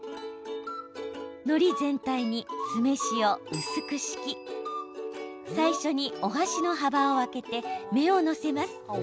のり全体に酢飯を薄く敷き最初に、お箸の幅を空けて目を載せます。